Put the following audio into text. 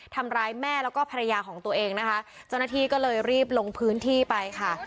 ทำร้ายแม่แล้วก็ภรรยาของตัวเองนะคะเจ้าหน้าที่ก็เลยรีบลงพื้นที่ไปค่ะ